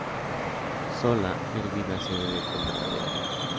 Sola, hervida, se bebe contra la diarrea.